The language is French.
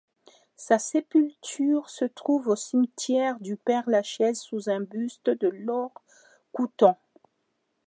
Sa sépulture se trouve au cimetière du Père-Lachaise sous un buste de Laure Coutan.